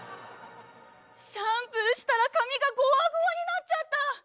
シャンプーしたら髪がゴワゴワになっちゃった！